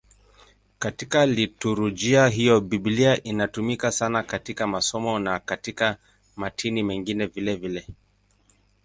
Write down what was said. Katika liturujia hiyo Biblia inatumika sana katika masomo na katika matini mengine vilevile.